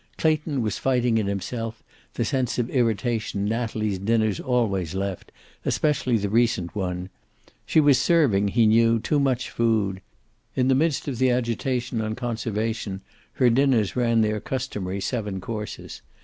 Clayton was fighting in himself the sense of irritation Natalie's dinners always left, especially the recent ones. She was serving, he knew, too much food. In the midst of the agitation on conservation, her dinners ran their customary seven courses.